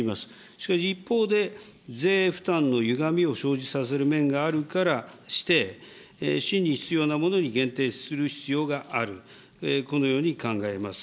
しかし、一方で税負担のゆがみを生じさせる面があるからして、真に必要なものに限定する必要がある、このように考えます。